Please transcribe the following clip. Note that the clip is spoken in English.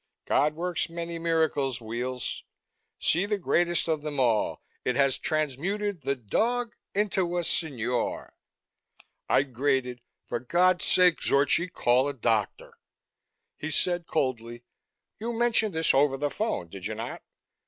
God works many miracles, Weels. See the greatest of them all it has transmuted the dog into a signore!" I grated, "For God's sake, Zorchi, call a doctor!" He said coldly, "You mentioned this over the phone, did you not?